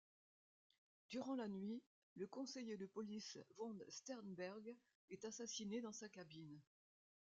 Durant la nuit, le conseiller de police von Sternberg est assassiné dans sa cabine.